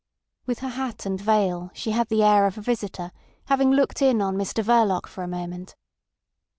With her hat and veil she had the air of a visitor, of having looked in on Mr Verloc for a moment.